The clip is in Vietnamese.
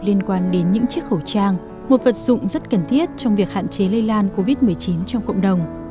liên quan đến những chiếc khẩu trang một vật dụng rất cần thiết trong việc hạn chế lây lan covid một mươi chín trong cộng đồng